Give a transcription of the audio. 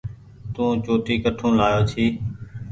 تو چوٽي ڪٺو لآيو ڇي۔